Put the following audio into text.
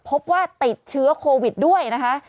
พบว่าติดเชื้อโควิดด้วยนะคะ